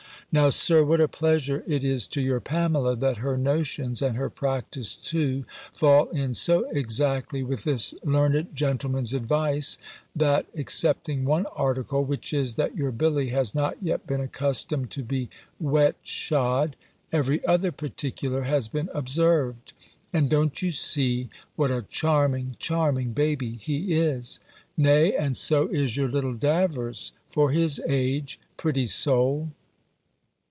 Now, Sir, what a pleasure it is to your Pamela, that her notions, and her practice too, fall in so exactly with this learned gentleman's advice that, excepting one article, which is, that your Billy has not yet been accustomed to be wet shod, every other particular has been observed! And don't you see what a charming, charming baby he is? Nay, and so is your little Davers, for his age pretty soul!